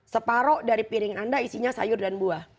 separoh dari piring anda isinya sayur dan buah